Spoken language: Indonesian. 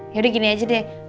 yaudah gini aja deh